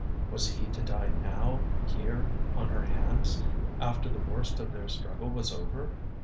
Was he to die, now, here on her hands, after the worst of their struggle was over?